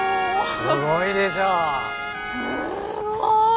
すごい。